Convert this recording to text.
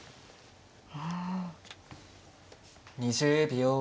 ２０秒。